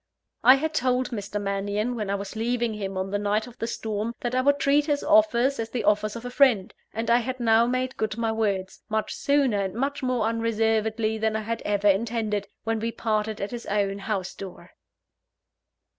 I had told Mr. Mannion, when I was leaving him on the night of the storm, that I would treat his offers as the offers of a friend; and I had now made good my words, much sooner and much more unreservedly than I had ever intended, when we parted at his own house door.